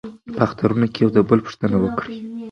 په اخترونو کې د یو بل پوښتنه وکړئ.